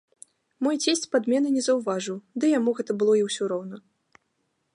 Мой цесць падмены не заўважыў, ды яму гэта было і ўсё роўна.